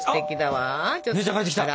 あっ姉ちゃん帰ってきた！